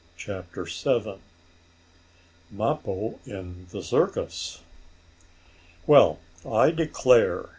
CHAPTER VII MAPPO IN THE CIRCUS "Well, I declare!"